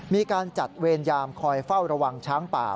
มีการจัดเวรยามคอยเฝ้าระวังช้างป่า